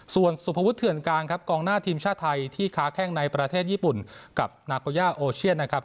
ส่วนสุภวุฒเถื่อนกลางครับกองหน้าทีมชาติไทยที่ค้าแข้งในประเทศญี่ปุ่นกับนาโกย่าโอเชียนนะครับ